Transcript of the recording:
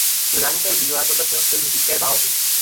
Za zánikem Bílé podle všeho stojí husitské války.